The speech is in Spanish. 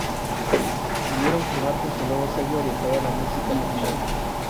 Decidieron firmar con su nuevo sello orientado a la música metal.